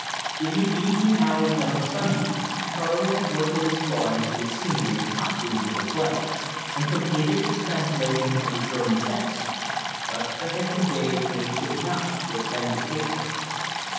In the evening hours and on Sunday Charley had worked at his drawings for the scenery and costumes of the Play, and completed his translation of the German text, but there had been days when he could not put pen to paper.